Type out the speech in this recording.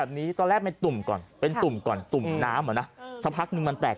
อันนี้ตัวเข็มสองเหรอ